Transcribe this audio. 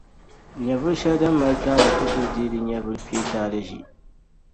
Nyɛvuli shεli din mali taali ku tooi deei di nyɛvuli kpee taali ʒi.